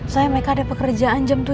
soalnya meka ada pekerjaan jam tujuh